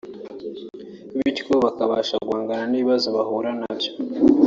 bityo bakabasha guhangana n’ibibazo bahura na byo